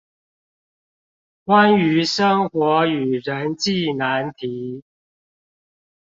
關於生活與人際難題